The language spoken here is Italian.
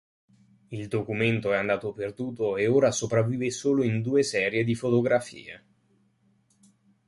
Il documento è andato perduto e ora sopravvive solo in due serie di fotografie.